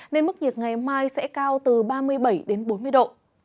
nên mức nhiệt ngày mai sẽ cao từ ba mươi bảy đến bốn mươi độ